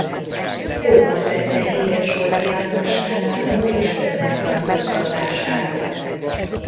Róma szerte híres volt jámborságáról és önmegtartóztatásáról.